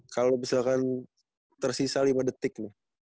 kalau misalkan tersisa lima detik nih